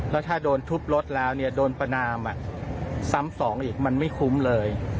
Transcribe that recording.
แล้วถ้าโดนทุบรถแล้วเนี่ยโดนประนามซ้ำสองอีกมันไม่คุ้มเลย